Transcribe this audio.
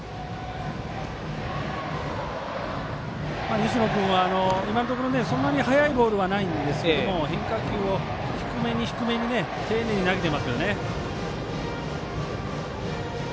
西野君は今のところそんなに速いボールはないんですが、変化球を低め低めに丁寧に投げていますね。